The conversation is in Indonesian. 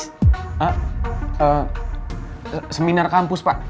ehm seminar kampus pak